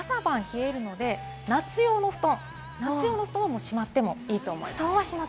ただ朝晩は冷えるので、夏用の布団はしまってもいいと思います。